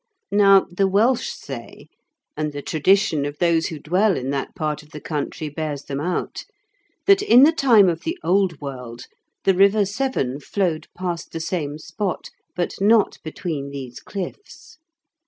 Now the Welsh say, and the tradition of those who dwell in that part of the country bears them out, that in the time of the old world the River Severn flowed past the same spot, but not between these cliffs.